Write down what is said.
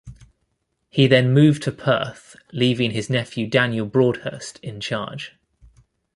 He then moved to Perth leaving his nephew Daniel Broadhurst in charge.